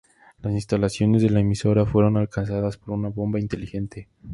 Las instalaciones de la emisora fueron alcanzadas por una bomba "inteligente".